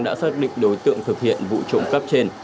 đã xác định đối tượng thực hiện vụ trộm cắp trên